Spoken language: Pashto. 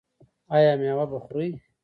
ایا میوه به خورئ؟